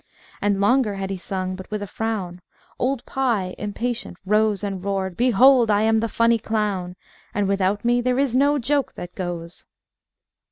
And longer had she sung, but with a frown, Old Pie, impatient, rose And roared, "Behold, I am the Funny Clown! And without me there is no Joke that goes.